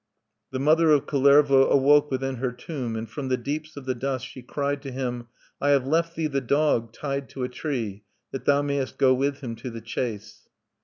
"_The mother of Kullervo awoke within her tomb, and from the deeps of the dust she cried to him, 'I have left thee the Dog, tied to a tree, that thou mayest go with him to the chase.'